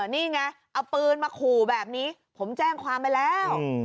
นี่ไงเอาปืนมาขู่แบบนี้ผมแจ้งความไปแล้ว